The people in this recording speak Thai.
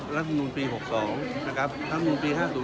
รัฐธุรกิจปี๖๒นะครับ